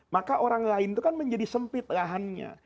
maka orang lain itu kan menjadi sempit lahannya